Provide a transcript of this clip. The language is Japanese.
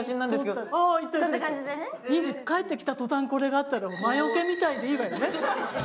帰ってきた途端にこれがあったら魔よけみたいでいいわね。